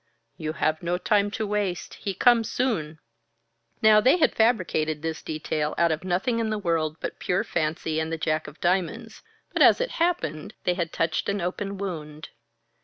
"You have no time to waste. He comes soon." Now, they had fabricated this detail out of nothing in the world but pure fancy and the Jack of Diamonds, but as it happened, they had touched an open wound.